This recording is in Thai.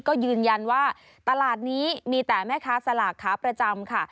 ก็ยืนยันว่าตลาดนี้มีแต่แม่ค้าสลากค้าประจำค่ะ